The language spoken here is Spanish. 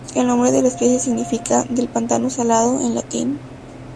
El nombre de la especie significa "del pantano salado" en latín.